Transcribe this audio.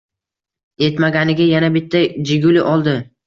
Etmaganiga yana bitta jiguli oldi